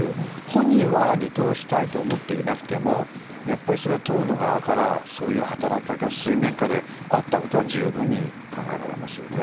本人は離党したくないと思っていなくてもそれは党の側からそういう働きかけが水面下であったことは十分考えられますね。